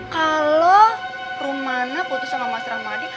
kalo rumana putus sama mas rahmadi